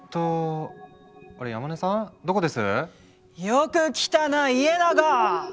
よく来たな家長。